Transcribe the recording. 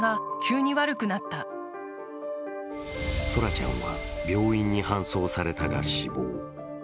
空来ちゃんは病院に搬送されたが、死亡。